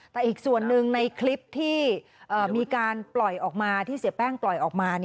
แต่อีกส่วนหนึ่งในคลิปที่มีการปล่อยออกมาที่เสียแป้งปล่อยออกมา